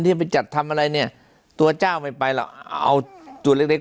จะไปจัดทำอะไรเนี่ยตัวเจ้าไม่ไปหรอกเอาตัวเล็กเล็ก